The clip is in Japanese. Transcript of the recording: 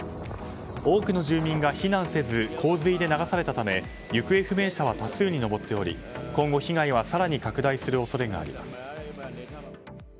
多くの住民が避難せず洪水で流されたため行方不明者は多数に上っており今後、被害は更に拡大する恐れがあります。